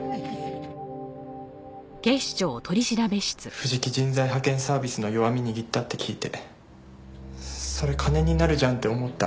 藤木人材派遣サービスの弱み握ったって聞いてそれ金になるじゃんって思った。